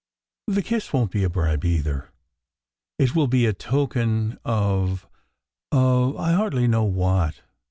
"The kiss won t be a bribe, either. It will be a token of of I hardly know what.